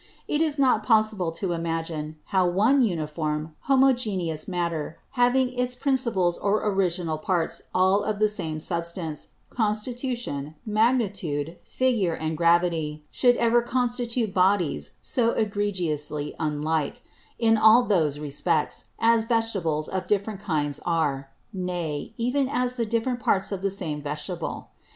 It is not possible to imagine, how one uniform, homogeneous Matter, having its Principles or Original Parts all of the same Substance, Constitution, Magnitude, Figure, and Gravity, should ever constitute Bodies so egregiously unlike, in all those respects, as Vegetables of different kinds are; nay, even as the different Parts of the same Vegetable.